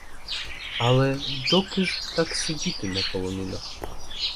Але доки ж так сидіти на полонинах?